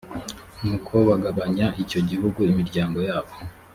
nuko bagabanya icyo gihugu imiryango yabo